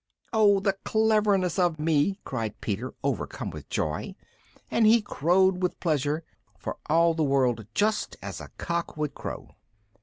"Oh! the cleverness of me!" cried Peter, overcome with joy, and he crowed with pleasure, for all the world just as a cock would crow.